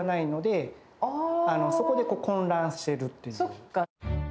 そっか。